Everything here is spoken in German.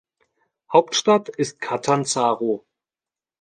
Hauptstadt ist Catanzaro.